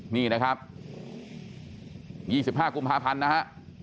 นี่นะครับ๒๕กุมภาพันธ์นะฮะ